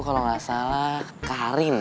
kalo gak salah karin